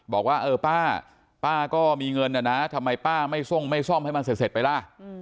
บอกว่าเออป้าป้าก็มีเงินนะนะทำไมป้าไม่ทรงไม่ซ่อมให้มันเสร็จไปล่ะ